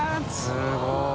すごい。